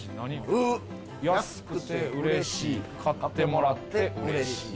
「安くてうれしい買ってもらってうれしい」。